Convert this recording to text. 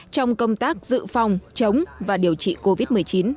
trong công tác dự phòng chống và điều trị covid một mươi chín